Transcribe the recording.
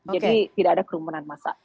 jadi tidak ada kerumunan masa